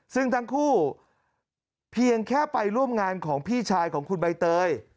ซึ่งทั้งคู่เพียงแค่ไปร่วมงานของพี่ชายของคุณใบเตย